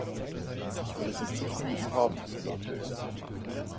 „Ich will es in fünf Minuten haben", sagte er.